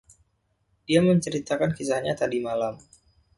Dia menceritakan kisahnya tadi malam.